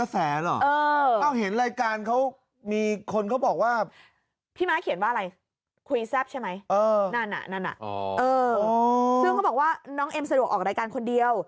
ซึ่งเขาบอกว่าน้องเอ็มสะดวกออกรายการคนเดียว